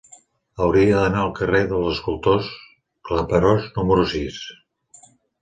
Hauria d'anar al carrer dels Escultors Claperós número sis.